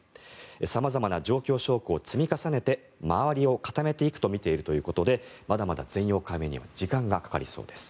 様々な状況証拠を積み重ねて周りを固めていくとみてまだまだ全容解明には時間がかかりそうです。